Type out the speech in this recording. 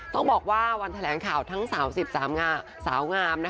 ต้องบอกว่าวันแถลงข่าวทั้ง๓สาวงาม